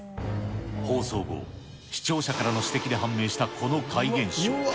放送後、視聴者からの指摘で判明したこの怪現象。